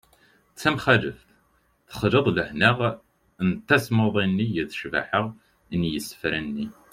d tamxaleft : texleḍ lehna n tasmuḍi-nni d ccbaḥa n yisefra-nni